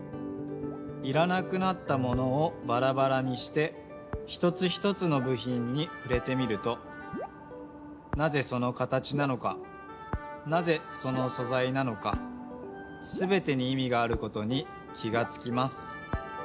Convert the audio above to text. いらなくなったものをバラバラにして一つ一つのぶひんにふれてみるとなぜその形なのかなぜそのそざいなのかすべてにいみがあることに気がつきます。